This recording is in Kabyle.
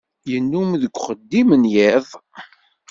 Yennum deg uxeddim n yiḍ